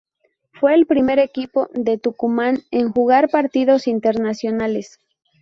Fue el primer equipo de Tucumán en jugar partidos internacionales.